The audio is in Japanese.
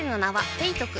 ペイトク